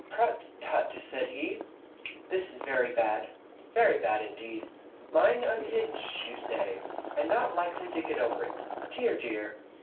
"Prut, tut!" said he. "This is very bad very bad indeed! Mind unhinged, you say, and not likely to get over it! Dear, dear!